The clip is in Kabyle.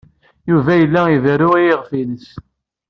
Yuba yella iberru i yiɣef-nnes.